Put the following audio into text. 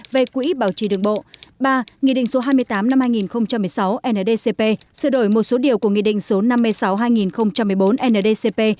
về quỹ bảo trì đường bộ ba nghị định số hai mươi tám năm hai nghìn một mươi sáu ndcp sự đổi một số điều của nghị định số năm mươi sáu hai nghìn một mươi bốn ndcp